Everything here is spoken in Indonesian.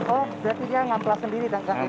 oh berarti dia ngamplas sendiri